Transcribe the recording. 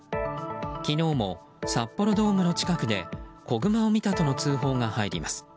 昨日も札幌ドームの近くで子グマを見たとの通報が入ります。